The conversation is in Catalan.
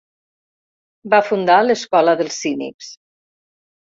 Va fundar l'escola dels cínics.